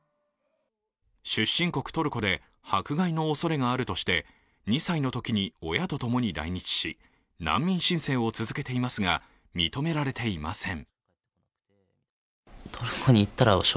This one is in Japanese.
出身国トルコで迫害のおそれがあるとして２歳のときに親と共に来日し難民申請を続けていますが認められていません。